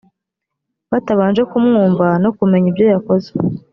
batabanje kumwumva no kumenya ibyo yakoze